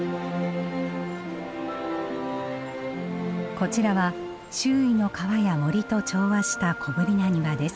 こちらは周囲の川や森と調和した小ぶりな庭です。